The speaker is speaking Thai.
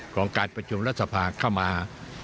ของการประชุมรัฐสภาเข้ามา